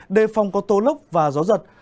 đề phòng có tố lốc và gió giật